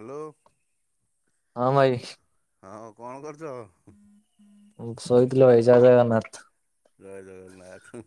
Hello. ହଁ ଭାଇ। ହଁ ଆଉ କଣ କରୁଚ? ଶୋଇଥିଲ ଭାଇ ଜୟ ଜଗନ୍ନାଥ। ଜୟ ଜଗନ୍ନାଥ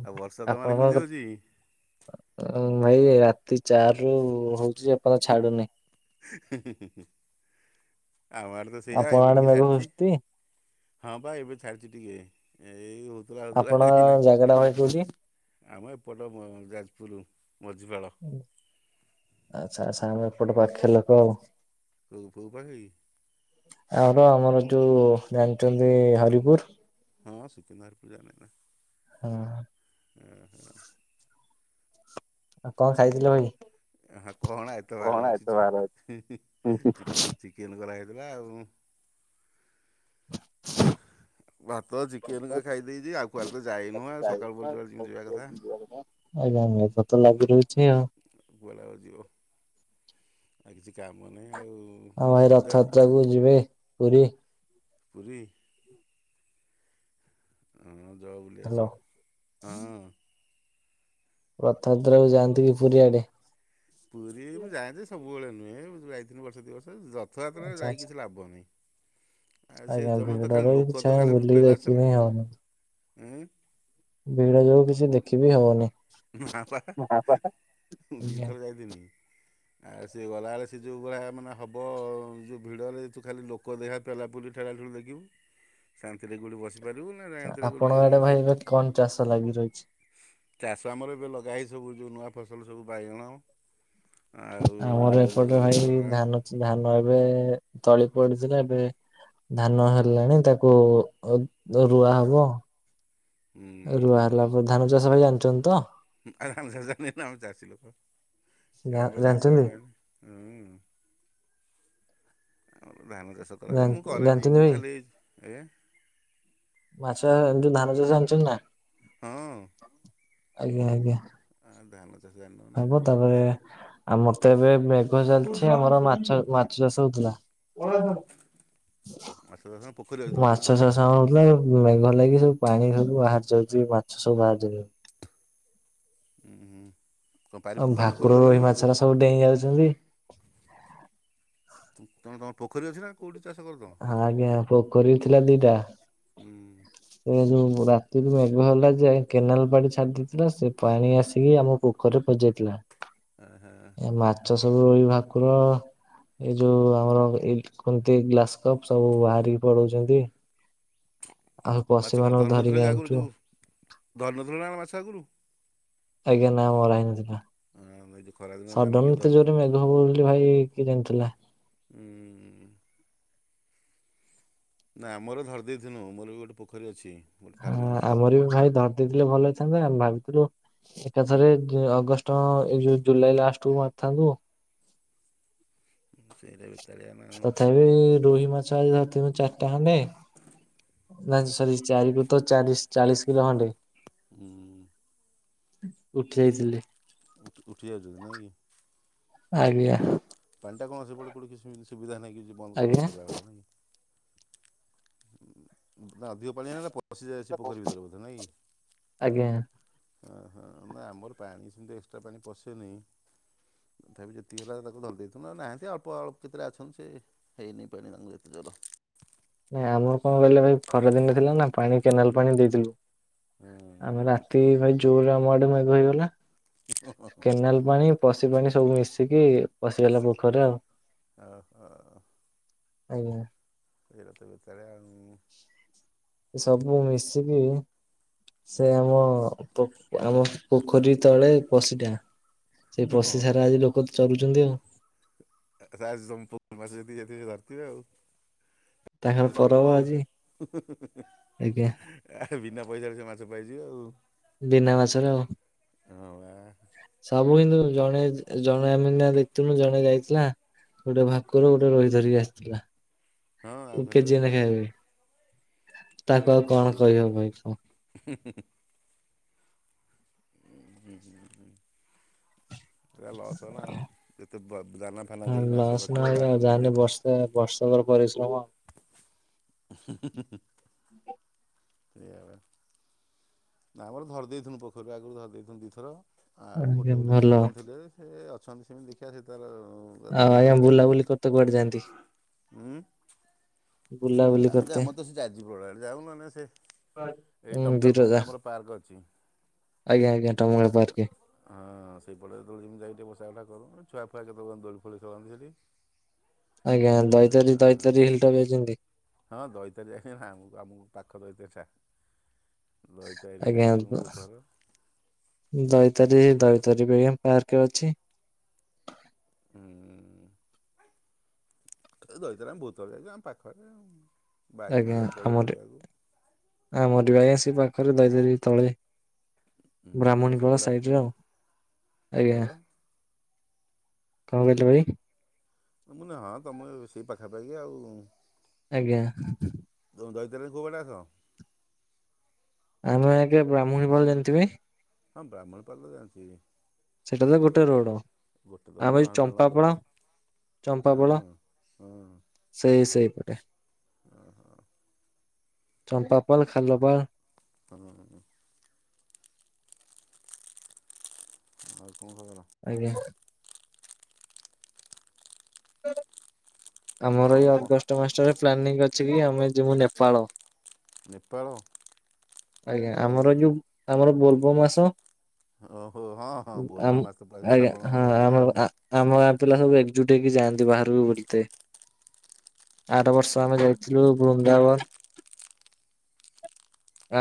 ଆଉ ବର୍ଷା ତମ ଆଡେ ଆପଣଙ୍କ କେମିତି ହଉଚି। ଭାଇ ରାତି ଚାରି ରୁ ହଉଛି ଯେ ଏ ପର୍ଯ୍ୟନ୍ତ ଛାଡୁନି। ଆମ ଆଡ଼େ ତ ସେୟା ଆପଣ ଏବେ ଆଡେ ଟିକେ ମେଘ ଛାଡ଼ିଛି। ହଉଛି ହଁ ପା ଏବେ ଛାଡିଛି ଟିକେ ଏଇ ହଉ ଆପଣ ଜାଗାଟା ଭାଇ କୋଉଠି? ଆମ ଏପଟ ଯାଜପୁର ମଝିପାଳ। ଆଚ୍ଛା ଆଚ୍ଛା ଆମ ଏପଟ ପାଖ ଲୋକ ଆଉ। କୋଉ କୋଉ ପାଖ କି? ଆର ଆମର ଯୋଉ ଜାଣିଛନ୍ତି ହରିପୁର? ହଁ ସୁକିନ୍ଦା ହରିପୁର ଜାଣିନି ନା। ହୁଁ। ଉଁ ହୁଁ। ଆଉ କଣ ଖାଇଥିଲ ଭାଇ? ହଁ କଣ ଏତେ କଣ ବାର ଅଛି ଏତେ ଚି ବାର ଅଛି ଚିକେନ୍ ଚିକେନ୍ କରାହେଇଥିଲା ଆଉ। ଭାତ ଚିକେନ ତ ଖାଇ ଦେଇଛି ଆଉ କୁଆଡେ ତ ଯାଇନୁ ଆଉ ସକାଳୁ ଯାଇନ ପହରୁ ଜୁଆଡେ ଯେମିତି ଯିବା କଥା। ଆଜ୍ଞା ଆଜ୍ଞା ବର୍ଷା ତ ଲାଗି ରହିଛି ଆଉ। କୁଆଡେ ଆଉ ଯିବ? ଆଉ କିଛି କାମ ନାହିଁ ଭାଇ ଆଉ ରଥଯାତ୍ରା କୁ ଯେତ୍ ଯିବେ ପୁରୀ? ପୁରୀ? ହଁ ଯଅ ବୁଲି ହ୍ୟାଲୋ ଆସିବ ହଁ। ରଥଯାତ୍ରାକୁ ଯାଆନ୍ତି କି ପୁରୀଆଡେ? ପୁରୀ ମୁଁ ଯାଏଁ ଯେ ସବୁବେଳେ ନୁହେଁ ମୁଁ ଯାଇଥିଲି ବର୍ଷେ ଦି ବର୍ଷ ରଥଯାତ୍ରାରେ ଆଚ୍ଛା ଆଚ୍ଛା ଯାଇ କିଛି ଲାଭ ନାହିଁ। ଆଉ ସେ ଆଜ୍ଞା ଜମି ତ ଭିଡରେ ଖାଲି ବି ଲୋକ କିଛି ତ ଆଜ୍ଞା ଖାଲି ବୁଲିକି ପେଲା ଦେଖିବି ଠେଲା ହିଁ ହଉନି ଉଁ। ଭିଡ ଯୋଗୁ କିଛି ଦେଖିବି ହବନି। ନା ବା ଦି ଆଜ୍ଞା ଥର ଯାଇଥିଲି। ଆଉ ସିଏ ଗଲାବେଳେ ସେ ଯେଉଁ ଭଳିଆ ମାନେ ହବ ଯେଉଁ ଭିଡ଼ରେ ତୁ ଖାଲି ଲୋକ ଦେହ ପେଲାପୁଲି ଠେଲାଠୁଲି ଦେଖିବୁ ଶାନ୍ତିରେ କୋଉଠି ବସିପାରିବୁ ନା ଶାନ୍ତିରେ କୋଉଠି ଆପଣଙ୍କ ଆଡେ ଭାଇ ଏବେ କଣ ଚାଷ ଲାଗି ରହିଛି? ଚାଷ ଆମର ଏବେ ଲଗା ହେଇ ସବୁ ଯେଉଁ ନୂଆ ଫସଲ ସବୁ ବାଇଗଣ। ଆଉ ଆମର ଏପଟେ ଭାଇ ଜନ୍ହୀ, କଲରା। ଧାନ ଧାନ ଏବେ ତଳି ପଡ଼ିଥିଲା ଏବେ। ଧାନ ହେଲାଣି ତାକୁ ଉଁ ରୁଆ ହବ। ରୁଆ ହେଲା ହୁଁ ପରେ ଧାନ ଚାଷ ଭାଇ ଜାଣିଛନ୍ତି ତ ଆଉ ଧାନ ଚାଷ ଜାଣିନି ଆମ ଚାଷୀ ଲୋକ ଆମର ଚାଷ ବାସ ଜାଣିଛନ୍ତି ଆମେ ଜାଣିନି। ହୁଁ- ଆମର ଧାନ ଚାଷ କରା ମୁଁ କରେନି ଜାଣିଛନ୍ତି ମୁଁ ଭାଇ? ଖାଲି ଏ ମାଛ [unintelligible] ଯଉ ଧାନ ଚାଷ ଜାଣିଚନ୍ତି ନା ହଁ - ଆଜ୍ଞା - ଆଜ୍ଞା। ହ ଧାନ ଚାଷ ଜାଣିନୁ ନା? ହବ ତାପରେ ଆମର ତେ ଏବେ ମେଘ ଚାଲିଚି ଆମର ମାଛ- ମାଛ ଚାଷ ହଉଥିଲା। ମାଛ ଚାଷ ନା ପୋଖରୀ ଅଛି ତମର ନା ମାଛ କଣ? ଚାଷ ଥିଲା ମେଘ ଲାଗି ସବୁ ପାଣି ସବୁ ବାହାରି ଯାଉଛି ମାଛ ସବୁ ବାହାରି ଯାଉଛନ୍ତି। ଉଁ କଣ ଆଉ ପା ପାଣି ଭାକୁର ରୋହି ପୁରିଗଲାଣି ଆପୁ? ମାଛରା ସବୁ ଡେଇଁ ଯାଉଛନ୍ତି। କଣ ତମର ପୋଖରୀ ଅଛି ନା କୋଉଠି ଚାଷ କର? ତମେ? ହଁ ଆଜ୍ଞା ପୋଖରୀ ବି ଥିଲା ଦିଟା ହୁଁ ହୁଁ। ସେ ଯୋଉ ରାତିରୁ ମେଘ ହେଲା ଯେ କେନାଲ ପାଣି ଛାଡି ଦେଇଥିଲା, ସେ ପାଣି ଆସିକି ଆମ ପୋଖରୀ ରେ ପଜାଇଥିଲା। ହଁ ହଁ। ମାଛ ସବୁ ରୋହି ଭାକୁର ଏଇ ଯୋଉ ଆମର ଏଇ କୁନ୍ତି ଗ୍ଲାସ କପ୍ ସବୁ ବାହାରିକି ପଳଉଚନ୍ତି। ମାଛ କଣ ଧରିକି ଧରିନଥିଲେ ଆଗରୁ ଆଣିଛୁ ଯେଉ ଧରିନଥିଲୁ ନା କଣ ମାଛ ଆଗରୁ? ଆଜ୍ଞା ନା ମରା ହେଇନଥିଲା। ହଁ ଆମେ [unintelligible] ଖରା ବେଳେ ସଡନ୍ ଏତେ ଜୋର୍ ରେ ମେଘ ହବ ବୋଲି ଭାଇ କିଏ ଜାଣିଥିଲା। ହୁଁ। ନାଁ ଆମର ଧରି ଦେଇଥିଲୁ ମୋର୍ ବି ଗୋଟେ ପୋଖରୀ ଅଛି। ଗୋଟେ ଫାର୍ମ ହଁ ହାଉସ୍ ଆମର ବି ଭାଇ ଧରି ଦେଇଥିଲେ ଭଲ ହେଇଥାନ୍ତା ଆମେ ଭାବିଥିଲୁ ଏକାଥରେ ଅଗଷ୍ଟ ହଁ ଏଯଉ ଜୁଲାଇ ଲାଷ୍ଟକୁୁ ମାରିଥାନ୍ତୁ ହଁ ସେଇରା ବେତଳିଆ ନା ଆଉ। ଏଇ ରୋହି ମାଛ ଆଜି ଧରିଥୁଲି ଚାରିଟା ଖଣ୍ଡେ। ନାଇଁ ସରି ଚାରିକୁର୍ତ୍ତ ଚାରି ଚାଳିଶ କିଲୋ ଖଣ୍ଡେ। ହୁଁ। ଉଠି ଯାଇଥିଲି। ଉଠି ଯାଉଛନ୍ତି ନା କି? ଆଜ୍ଞା। ପାଣି ଟା କଣ ସେପଟ କୋଉଠି କିଛି ସୁବିଧା ନାହିଁ କିଛି ବନ୍ଦ କରି ଆଜ୍ଞା ରଖିଲା ଭଳିଆ ନା କି। ହୁଁ। [unintelligible] ଅଧିକ ପାଣି ଆସେ ପଶି ଯାଏ ସେ ପୋଖରୀ ଭିତରେ ବୋଧେ ନାଇଁ? ଆଜ୍ଞା ଓହୋଃ! ନା, ଆମର ପାଣି ସେମିତି ଏକ୍ସଟ୍ରା ପାଣି ପଶିନି। ତଥାପି ଯେତିକି ହେଲା ତାକୁ ଧରି ଦେଇେଥିଲୁ ନା ନାହାନ୍ତି ଆଉ ଅଳ୍ପ ଅଳ୍ପ କେତେଟା ଅଛନ୍ତି ସେ। ହେଇନି ପାଣି ତାଙ୍କୁ ଏଥର। ନାଇଁ, ଆମର କଣ କହିଲେ ଭାଇ ଖରା ଦିନ ଥିଲା ନା ପାଣି କେନାଲ ପାଣି ଦେଇଥିଲୁ। ହଁ। ଆମେ ରାତି ଭାଇ ଜୋରରେ ଆମଡେ ମେଘ ହେଇଗଲା, କେନାଲ ପାଣି ପଶି ପାଣି ସବୁ ମିଶିକି ପସିଗଲା ପୋଖରୀ ରେ ଆଉ। ଓହୋ। ଆଜ୍ଞା। ଏଇରା ତ ବେତଳିଆ ହୁଁ। ସବୁ ମିଶିକି ସେ ଆମ ଆମ ପୋଖରୀ ତଳେ ପଶିଟା ସେଇ ପଶି ସାରା ହଁ ଆଜି ଲୋକ ଚରୁଛନ୍ତି ଆଉ। ଆଛା ଆଜି ତୁମ ପୋଖରୀ ମାଛ ଯେତିକି ସେତିକି ଧରିଥିବେ ଆଉ। ତାଙ୍କର ପରବ ଆଜି [unintelligible] ଆଜ୍ଞା ଆହା ବିନା ପଇସାରେ ସେ ମାଛ ପାଇଯିବେ ଆଉ। ବିନା ମାଛରେ ଆଉ। ହଁ ବା ସବୁ କିନ୍ତୁ ଜଣେ ଜଣେ ଆମେ ଏଇନା ଦେଖୁଥିଲୁ ଜଣେ ଯାଇଥିଲା। ଗୋଟେ ଭାକୁର ଗୋଟେ ରୋହି ଧରିକି ଆସିଥିଲା। ହଁ ଆଉ କେଜିିଏ ଧରିଦେବେନି ଆଉ ନେଖା ହେବେ ଯୋଉରା ତାଙ୍କୁ ଆଉ କଣ କହିବ ଭାଇ କୁହ। ହଁ ହଁ ହଁ। ଉଁ ହୁଁ, ହୁଁ, ହୁଁ। ଏଇରା ଲସ୍ ହେଲା ଆଉ ଏତେ ଦାନା ଫାନା ଦେଇକି ମାଛ ରଖିବ ଲାଷ୍ଟକୁ ଏମିତି ହେବେ ତା ବର୍ଷକର ପରିଶ୍ରମ ହ [unintelligible] ସେୟା ପା। ନା, ଆମର ଧରି ଦେଇେଥିଲୁ ପୋଖରୀରୁ ଆଗରୁ ଧରି ଦେଇଥିଲୁ ଦୁଇଥର, ଆଉ ଗୋଟେ ଆଜ୍ଞା ଗୋଟେ ଭଲ କେମିତି କଣ ଥିଲେ। ସେ ଅଛନ୍ତି ସେମିତି ଦେଖିବା ସେ ତାର [inaudible] ତ ଆଉ ଧରି ଆଜ୍ଞା ହବନି, ବୁଲାବୁଲି କରତେ କୁଆଡେ ଯାଆନ୍ତି ହୁଁ? ବୁଲାବୁଲି ବୁଲା ବୁଲି କରତେ? ଆମ ତେ ସେ ଯାଜପୁରୁ ରୋଡ଼ ଆଡ଼େ ଯାଉ ନହେଲେ ସେ ଏଇ ଉଁ ଟମକା ଫମକା ବିରଜା ଆମର। ପାର୍କ ଅଛି। ଆଜ୍ଞା ଆଜ୍ଞା ଟମ [unintelligible] ପାର୍କ। ହଁ ସେଇପଟେ ଯେତେ ବେଳେ ଯାଇକି ବସା ଉଠା କରୁ ଛୁଆ ଫୁଆ କେତେ ବେଳେ କେମିତି ଦୋଳି ଫୋଳି ଖେଳନ୍ତି ସେଠି। [inaudible] ଆଜ୍ଞା ଦଇତାରି ଦଇତାରି ହିଲ୍‌ଟା ଭିଆଉଚନ୍ତି। ହଁ ଦଇତାରି ହେଁ ଆମ ଆମକୁ ପାଖ ଦଇତାରିଟା। ଦଇତାରି ଆଜ୍ଞା ଯାଇଛୁ ପ। ବହୁତ ଥର ଦଇତାରି ଦଇତାରୀ ବି ଆଜ୍ଞା ପାର୍କ ଅଛି। ଉଁ। ଦଇତାରୀ ଆମେ ଭହୁତ ଥର ଯାଇଚୁ ଆମ ପାଖରେ ଆଉ ବାଇକ ଆଜ୍ଞା ନେଇକି ଆମର ପଳାଉବୁଲିବାକୁ। ଆମର ବି ଆଜ୍ଞା ସେଇ ପାଖରେ ଦଇତାରିି ତଳେ। ହୁଁ ତମ ବ୍ରାହ୍ମଣୀପାଳ ସେପଟେ ସାଇଡ ଆସୁଥିବ ରେ ଆଉ, କଣ ଆଜ୍ଞା। କହିଲ କଣ କହିଲ ଭାଇ? ମୁଁ ହଁ ତୁମେ ସେଇ ପାଖାପାଖି ଆଉ। ଆଜ୍ଞା। ତୁମେ ଦୈତାରିକି କୋଉ ବାଟେ ଆସ? ଆମେ ଆଜ୍ଞା ବ୍ରାହ୍ମଣୀ ପାଳ ଜାଣିଥିବେ? ହଁ ବ୍ରାହ୍ମଣପାଳ ତ ଜାଣିଛି। ସେଟା ତ ଗୋଟେ ରୋଡ ଗୋଟେ ଦର। ଆମେ ଏଇ ଚମ୍ପାପାଳ [unintelligible] ଚମ୍ପାପାଳ ହଁ ହଁ। ସେଇ ସେଇପଟେ। ଓ ହଁ। ଚମ୍ପାପାଲ ଖାଲପାଲ। ହଁ। ଆଉ କଣ ଖବର? ଆଜ୍ଞା। ଆମର ଆଉ ଏଇ କଣ ଅଗଷ୍ଟ ମାସଟା ରେ ପ୍ଲାନିଂ ଅଛି କି ଆମେ ଯିବୁ ନେପାଳ। ନେପାଳ? ଆଜ୍ଞା, କଣ ଆମର ପାଇଁ? ଯୋଉ ଆମର ବୋଲବ ମାସ ଓହୋ ହଁ ହଁ ଉଁ ଆମ୍ ବୋଲବମ୍ ମାସ ତ ପଳେଇ ଆସିବ ଆଜ୍ଞା ଶ୍ରାବଣ ମାସ ହଁ ଆସିଲେ ଆଉ ଆମର ଆ ଆମ ଗାଁ ପିଲା ସବୁ ଏକଜୁଟ ହେକି ଯାଆନ୍ତି ବାହାରକୁ ବୁଲିତେ। ଆର ବର୍ଷ ଆମେ ଯାଇଥିଲୁ ବୃନ୍ଦାବନ।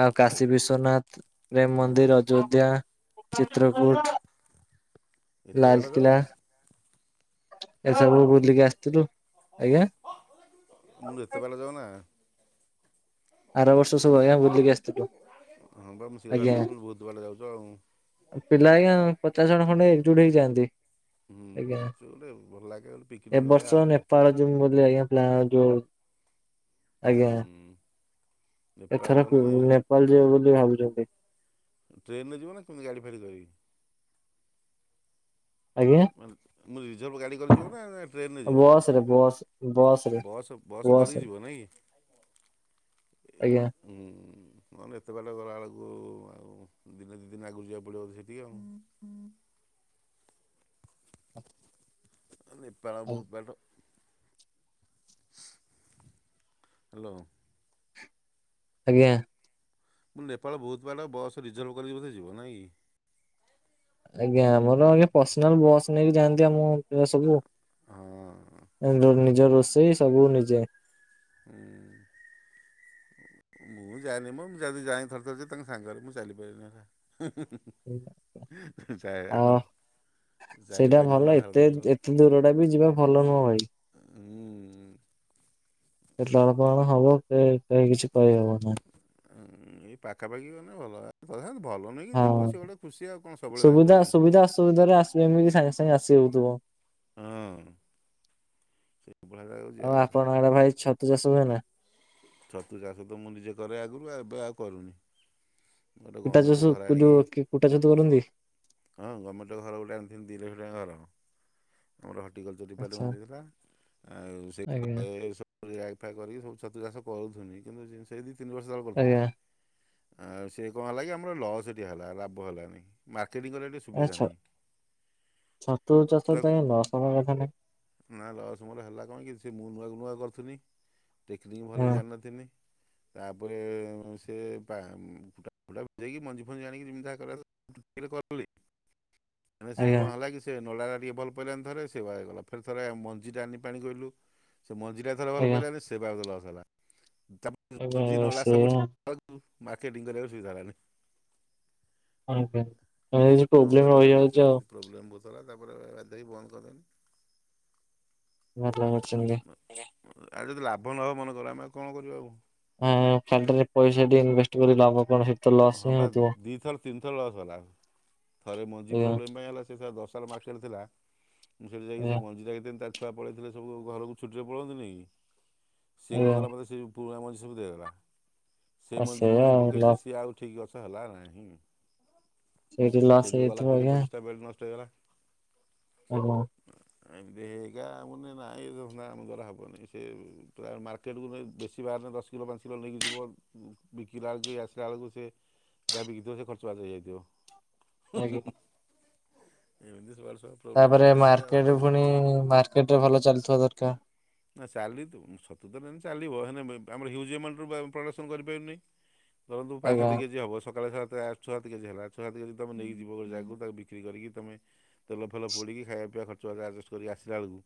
ଆଉ ଏଇ କାଶୀ ବିସ୍ଵନାଥ, ପ୍ରେମ ଅନାରେ ମନ୍ଦିର, ଅଯୋଧ୍ୟା, ଚିତ୍ରକୁୂଟ। ଏତେ ବାଟ ଯାଅ ଲାଲକିଲ୍ଲା। ଏସବୁ ବୁଲିକି ଆସିଥିଲୁ, ଆଜ୍ଞା? ମୁଁ ଏତେ ବାଟ ଯାଅ ନା? ଆର ବର୍ଷ ସବୁ ଆଜ୍ଞା ବୁଲିକି ଆସିଥିଲୁ। ହଁ ବା ମୁଁ ସେ କଥା ଆଜ୍ଞା। କହୁଛିଁ ମୁ କନି ବହୁତ ବାଟ ଯାଉଛ ଆଉ। ପିଲା ଆଜ୍ଞା ପଚାଶ ଜଣ ଖଣ୍ଡେ ଏକଜୁଟ ହେଇଯାଆନ୍ତି। ହୁଁ ସେ ଗୋଟେ ଭଲ ଲାଗେ ଗୋଟେ ଏ ପିକ୍ନିକ୍ ବର୍ଷ ଭଳିଆ ଆଉ। ନେପାଳ ଯୋଉ [unintelligible] ଆଜ୍ଞ ପ୍ଲାଣ୍ଟୋ ଆଜ୍ଞା। ହୁଁ ନେପାଳ ଗଲେ ଏଥରକୁ ନେପାଳ ଯିବେ ବୋଲି ଭାବୁଚନ୍ତି। ଟ୍ରେନ୍ ରେ ଯିବ ନା କେମିତି ଗାଡ଼ି ଫାଡ଼ି କରିକି? ଆଜ୍ଞା ମାନେ ମୁ ରିଜର୍ଭ ଗାଡ଼ି କରି ଯିବ ନା ନା ଟ୍ରେନ୍ ରେ ଯିବ? ବସ ରେ ବସ ବସ ରେ ବସ୍ ବସ୍ ବସ କରିକି ରେ ଯିବ ନାଇଁ? ଆଜ୍ଞା। ଉଁ, ନହେଲେ ଏତେ ବାଳେ ଗଲାବେଳକୁ ଆଉ ଦିନେ ଦି ଦିନ ଆଗରୁ ଯିବାକୁ ପଡ଼ିବ ସେଠିକି ଆଉ। ଆଉ ନେପାଳ ବହୁତ ବାଟ। ହାଲୋ। ଆଜ୍ଞା। ମୁଁ ନେପାଳ ବହୁତ ବାଟ ବସ୍ ରିଜର୍ଭ କରିକି ବୋଧେ ଯିବ ନାଇଁ କି? ଆଜ୍ଞା ଆମର ଆଜ୍ଞା ପର୍ସନାଲ ବସ୍ ନେଇକି ଯାଆନ୍ତି ଆମ ସବୁ। ହଁ [unintelligible] ନିଜ ରୋଷେଇ ସବୁ ନିଜେ। ହଁ। ମୁଁ ଜାଏନି ମୋ ମୁଁ ଯଦି ଯାଏ ଥରେ ଥରେ ଯାଏ ତାଙ୍କ ସାଙ୍ଗରେ ମୁଁ ଚାଲି ପାରେନି ଏକା। ଯାଏ ଆହୁ ଆଉ ସେଇଟା ଭଲ, ଏତେ ଏତେ ଦୂର ଟା ବି ଯିବା ଭଲ ନୁହଁ ଭାଇ। ଅ, ଉଁ, କେତଳଳେ କଣ ହବ କେ କେହି କିଛି କହିହବ ନାହିଁ। ଅଁ, ଉଁ, ଏଇ ପାଖାପାଖି ଗନେ ଭଲ। ଆ କରିଥାନ୍ତି ଭଲ ନେଇକି ଯିବ ସେ ହଁ ଗୋଟେ ଖୁସି ଆଉ କଣ ସବୁବେଳେ ଯାଇକି ରହିବି? ସୁବିଧାରେ ଆସିବ ଏମିତି ସାଙ୍ଗ ସାଙ୍ଗେ ଆସିହଉଥୁବ। ହଁ ସେ [unintelligible] ଜାଗାକୁ ଆଉ ଯିବା କଥା। ଆପଣ ଆଡେ ଭାଇ ଛତୁ ଚାଷ ହୁଏ ନା ଛତୁ ଚାଷ ତ ମୁଁ ନିଜେ କରେ ଆଗରୁ ଆଉ ଏବେ ଆଉ କରୁନି। ଗୋଟେ କୁଟା ଗଭର୍ଣ୍ଣମେଣ୍ଟ ଚଷୁ ଘର କୁଦୁ ଆଣିକି କି କୁଟାଛତୁ କରନ୍ତି? ହଁ ଗମେଣ୍ଟ ଘର ଗୋଟେ ଆଣିଥିନି ଦି ଲକ୍ଷ ଟଙ୍କା ଘର। ଆମର ହର୍ଟିକଲଚର୍ ଆଚ୍ଛା ଡିପାର୍ଟମେଣ୍ଟ ଦେଇଦେଲା। ଆଉ ସେ ଆଜ୍ଞା [inaudible] ସ ରେକ ଫେକ କରିକି ସବୁ ଛତୁ ଚାଷ କରୁଥୁନି। କିନ୍ତୁ ଯେ ସେଇ ଦି ତିନି ବର୍ଷ ତଳେ କରୁଥୁନି। ଆଜ୍ଞା ଆଉ ସେ କଣ ହେଲା କି ଆମର ଲସ୍ ଟି ହେଲା। ଲାଭ ହେଲାନାହିଁ। ମାର୍କେଟିଂ କରିବାକୁ ଟିକେ ସୁ ଆଚ୍ଛା ଛତୁ ଚାଷ ତ [unintelligible] ନା ଲସ୍ ମୋର ହେଲା କଣ କିି ସେ ମୁଁ ନୂଆକୁ ନୂଆ କରୁଥୁନି। ଟେକ୍ନିକ୍ ଭଲି ହଁ ଜାଣିନଥିନି। ତାପରେ ଉଁ, ସେ ପା-ଉଁ, ଟା [inaudible] ବୁ ଦେଇକି ମଞ୍ଜି ଫଞ୍ଜି ଆଣିକି ଯେମିତି ଯାହା କରିବା [inaudible] ଚୁପ୍ତିରେ କଲି। ହେନେ ସେ ଆଜ୍ଞା କଣ ହେଲା କି ସେ ନଡା ଟା ଟିକେ ଭଲ ପଇଲାନି ଥରେ ସେବା ହେଇଗଲା। ଫେର୍ ଥରେ ମଞ୍ଜିଟା ଆଣିନି ପାଣି କୋଇଲି ରୁ ସେ ମଞ୍ଜି ଟା ସେଟା ଭଲ ଆଜ୍ଞା ପଇଲାନି ସେବାଗ ଲସ୍ ହେଲା। ତା ଆଜ୍ଞା [inaudible] ଯିଏ ନଡା ସେଇଆ ସବୁଠି [inaudible] କୁ ମାର୍କେଟିଙ୍ଗ କରିବାକୁ ସୁବିଧା ହେଲାନି। ଆଜ୍ଞା ତୋମର କିଛି କଣ ପ୍ରୋବ୍ଲେମ୍ କରିବା ରହିଯାଉଚି ଆଉ। ଏମିତି ପ୍ରୋବ୍ଲେମ୍ ବହୁତ ହେଲା ତାପରେ ବାଧ୍ଯ ହେଇ ବନ୍ଦ କରିଦେନି। [unintelligible] ଇଏ ଆଉ ଯଦି ଲାଭ ନହବ ମନେକର ଆମେ ଆଉ କଣ କରିବା ଆଉ। ହଁ ଖାଲଟାରେ ପଇସା ଟି ଇନଭେଷ୍ଟ କରି ଲାଭ କଣ ସେ ହଁ, ହଁ ବା ଦି ଥର ତିନି ଥର ଲସ୍ ହେଲା। ଥରେ ମଞ୍ଜି ଆଜ୍ଞା ପ୍ରୋବ୍ଲେମ୍ ପାଇଁ ହେଲା। ସିଏ ସା ଦଶ [unintelligible] ଥିଲା ମୁଁ ସେଠି ଯାଇକି ସେ ଆଜ୍ଞା। ମଞ୍ଜି [unintelligible] ତା ଛୁଆ ପଳେଇଥିଲେ ସବୁ ଘରକୁ ଛୁଟିରେ ପଳନ୍ତିନିକି। ସିଏ କଣ ଆଜ୍ଞା କଲା ମୋତେ ସେଇ ପୁରୁଣା ମଞ୍ଜି ସବୁ ଦେଇଦେଲା। ସେ ଆଉ ମଞ୍ଜି ମୁଁ ସେଇଆ ଆଣି ଆଉ ପକେଇଲି ଯେ ଲସ୍ ସିଏ ଆଉ ଠିକ୍ ଗଛ ହେଲା ନାହିଁ। ସେଇଠି ସେ ଲସ୍ ଯୋଉ ଗଲା ହେଇଯାଇଥିବ କୋଡିଏ ଆଜ୍ଞା ପଚିଶ ଟା ବେଲ ନଷ୍ଟ ହେଇଗଲା। ଓହୋ! ଅ, ଏମିତି ହେଇ ହେଇକା ମୁଁ କଇନି ନାଇଁ ସେ ଧନ୍ଦା ଆମ ଦ୍ଵାରା ହେବନି। ସେ ପ୍ରାୟ ମାର୍କେଟକୁ ନେଇ ବେଶୀ ବାହାରିଲେ ଦଶ କିଲୋ ପାଞ୍ଚ କିଲୋ ନେଇକି ଯିବ ବିକିଲାେ କେ ଆସ ବଳେ ଯହା ବି ଖର୍ଚ୍ଚ। ଆଜ୍ଞା। ଏଁମିତି ସବାଲ ସବ୍ ତାପରେ ମାର୍କେଟ୍ ପୁଣି ମାର୍କେଟ୍ ରେ ଭଲ ଚାଲିଥିବା ଦରକାର। ନା ଚାଲି ତୁ ଛତୁ ତର ଚାଲିବ ହେଲେ ଆମର ହ୍ୟୁଜ୍ ଆମାଉଣ୍ଟରୁ ପ୍ରଡ଼କ୍ସନ୍ କରିପାରିବନିଁ। ଧରନ୍ତୁ ପାଞ୍ଚ ଆଜ୍ଞା। ସାତ କେଜି ହେବ ସକାଳେ ସାତ ଆଠ୍ ଛୁସାତ କେଜି ହେଲା ଛସାତ କେଜି ତମେ ନେଇକି ଯିବ ଯାଗାକୁ ବିକ୍ରି କରିକି ତମେ ତେଲ ଫେଲ ପୋଡ଼ିକି ଖାଇବା ପିଇବା ଖର୍ଚ ଛୁଆ କୁ ଆଜେଷ୍ଟେ କରିକି ଆସିଲା ବେଳକୁ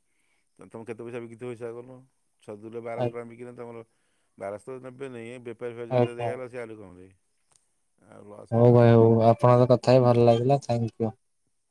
ତମେ କେତେ ପଇସା ବିକିଥିବ ହିସାବ କରୁନ ଛଅ ଦୁଲେ ବାରଶହ ଆଜ୍ଞା ଟଙ୍କା ବିକି କିଲେ ତମର ବାରଶ ତ ଦେବେ ନାହିଁ ଫେପାରି ଆଜ୍ଞା ଫେଲା ସେ ଆହୁରି କମରେ [inaudible] ହଉ ହେଲା ଭାଇ ଆଉ। ହଉ ଆପଣଙ୍କ ସହ କଥା ହେଇ ଭଲଲାଗିଲା ଥାଙ୍କ୍ ୟୁ।